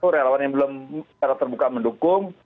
relawan yang belum secara terbuka mendukung